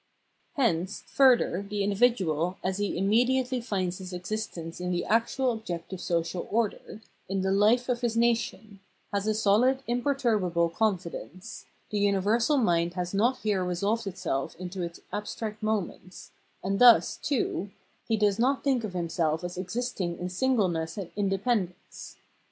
Hence, further, the individual, as he immediately finds his existence in the actual objective social order, in the life of his nation, has a soKd imperturbable confi dence ; the universal mind has not here resolved itself into its abstract moments, and thus, too, he does not think of himself as existing in singleness and independ ence.